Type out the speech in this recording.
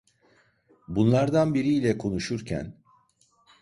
Bunlardan biriyle konuşurken: